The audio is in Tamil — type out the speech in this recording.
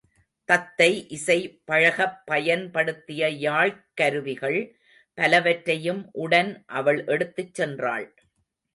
தத்தை இசை பழகப் பயன் படுத்திய யாழ்க்கருவிகள் பலவற்றையும் உடன் அவள் எடுத்துச் சென்றாள்.